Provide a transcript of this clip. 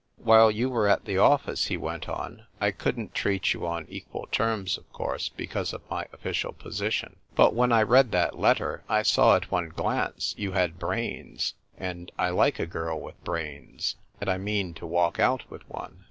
" While you were at the office," he went on, " I couldn't treat you on equal terms, of course, because of my official position But when I read that letter I saw at one glance you had brains ; and I like a girl with brains, and I mean to walk out with one."